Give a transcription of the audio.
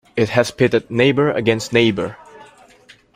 It has pitted neighbor against neighbor.